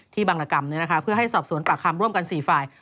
ที่บางรกรรมนี้นะคะเพื่อให้สอบสวนปากคำร่วมกันสี่ฝ่าย